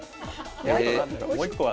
もう一個は。